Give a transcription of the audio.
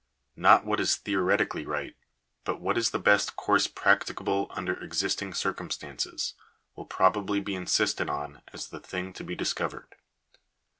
Not what is theo retically right, but what is the best course practicable under existing circumstances, will probably be insisted on as the thing to be discovered.